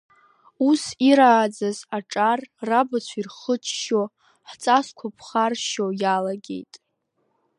Ус ирааӡаз аҿар, рабацәа ирхыччо, ҳҵасқәа ԥхаршьо иалагеит.